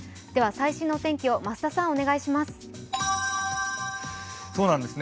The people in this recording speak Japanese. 最新のお天気を増田さんお願いします。